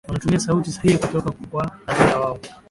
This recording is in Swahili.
wanatumia sauti sahihi kutoka kwa hadhira wao